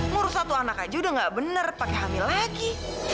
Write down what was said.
ngurus satu anak aja udah gak bener pakai hamil lagi